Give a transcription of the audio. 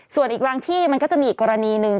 ส่วนอีกบางที่มันก็จะมีอีกกรณีหนึ่ง